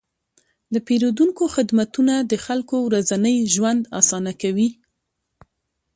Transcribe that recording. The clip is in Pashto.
د پیرودونکو خدمتونه د خلکو ورځنی ژوند اسانه کوي.